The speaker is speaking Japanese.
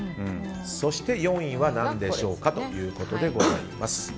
そして４位は何でしょうかということです。